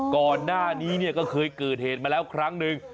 ก่อนหน้านี้เนี่ยก็เคยเกิดเหตุมาแล้วครั้งหนึ่ง